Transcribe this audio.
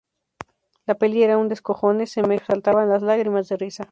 La peli era un descojone. Se me saltaban las lágrimas de risa